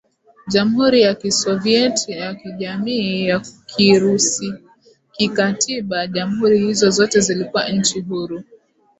Jamhuri ya Kisovyiet ya Kijamii ya KirusiKikatiba jamhuri hizo zote zilikuwa nchi huru